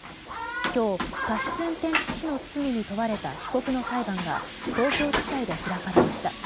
今日、過失運転致死の罪に問われた被告の裁判が東京地裁で開かれました。